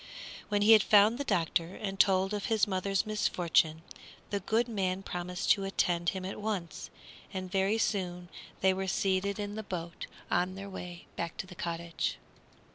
When he had found the doctor and told of his mother's misfortune, the good man promised to attend him at once, and very soon they were seated in the boat and on their way to the cottage.